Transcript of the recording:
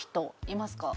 いますか？